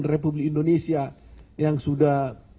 republik indonesia yang sudah